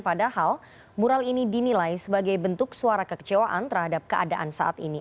padahal mural ini dinilai sebagai bentuk suara kekecewaan terhadap keadaan saat ini